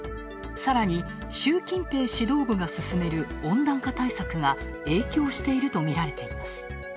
さらに、習近平指導部が進める温暖化対策が影響しているとみられています。